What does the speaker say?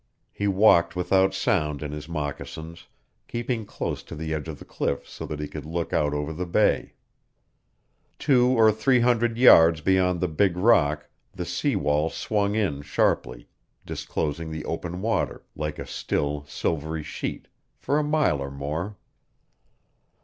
He walked without sound in his moccasins, keeping close to the edge of the cliff so that he could look out over the Bay. Two or three hundred yards beyond the big rock the sea wall swung in sharply, disclosing the open water, like a still, silvery sheet, for a mile or more.